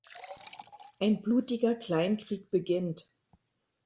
Ein blutiger Kleinkrieg beginnt.